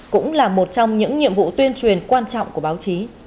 cũng là một trong những nhiệm vụ tuyên truyền quan trọng của báo chí